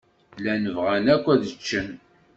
Llan bɣan akk ad ččen.